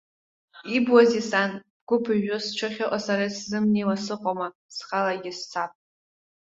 Ибуазеи, сан, бгәы ԥыжәжәо сҽы ахьыҟоу сара сзымнеиуа сыҟоума схалагьы сцап.